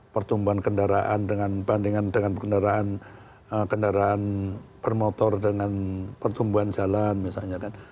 pertumbuhan kendaraan dengan bandingkan dengan kendaraan bermotor dengan pertumbuhan jalan misalnya kan